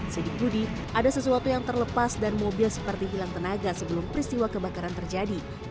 sidik budi ada sesuatu yang terlepas dan mobil seperti hilang tenaga sebelum peristiwa kebakaran terjadi